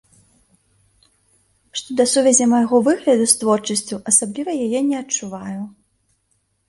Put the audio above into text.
Што да сувязі майго выгляду з творчасцю, асабліва яе не адчуваю.